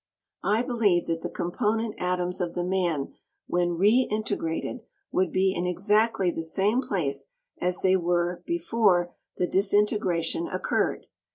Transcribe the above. I believe that the component atoms of the man when reintegrated would be in exactly the same place as they were before the disintegration occurred.